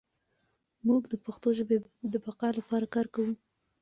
موږ د پښتو ژبې د بقا لپاره کار کوو.